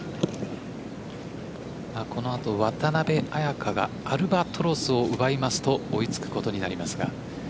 この後渡邉彩香がアルバトロスを奪いますと追いつくことになります。